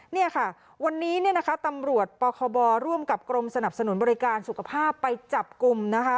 เนี่ยค่ะวันนี้เนี่ยนะคะตำรวจปคบร่วมกับกรมสนับสนุนบริการสุขภาพไปจับกลุ่มนะคะ